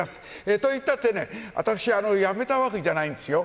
と言ったってね、私は辞めたわけじゃないんですよ。